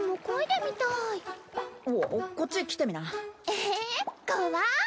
えっ怖い！